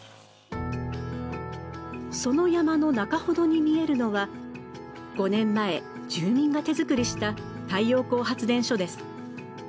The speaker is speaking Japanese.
その山の中ほどに見えるのは５年前住民が手作りした太陽光発電所です。